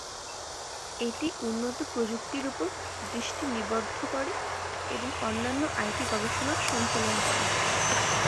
এটি উন্নত প্রযুক্তির উপর দৃষ্টি নিবদ্ধ করে এবং অন্যান্য আইটি গবেষণা সঞ্চালন করে।